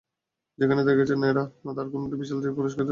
যেখানে দেখা গেছে ন্যাড়া মাথার কোনো বিশালদেহী পুরুষকে জড়িয়ে আছেন দীপিকা।